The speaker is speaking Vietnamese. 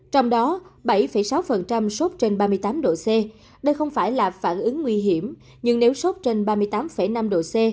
trong đó bảy sáu trên ba mươi tám độ c đây không phải là phản ứng nguy hiểm nhưng nếu sốt trên ba mươi tám năm độ c